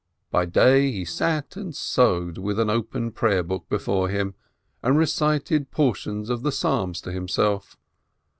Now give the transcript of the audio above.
By day he sat and sewed with an open prayer book before him, and recited portions of the Psalms to him self.